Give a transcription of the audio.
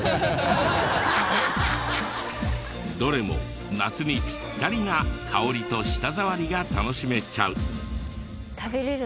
どれも夏にピッタリな香りと舌触りが楽しめちゃう。